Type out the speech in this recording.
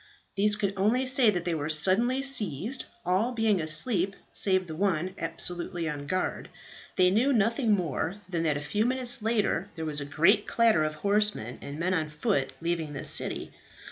These could only say that they were suddenly seized, all being asleep save the one absolutely on guard. They knew nothing more than that a few minutes later there was a great clatter of horsemen and men on foot leaving the city.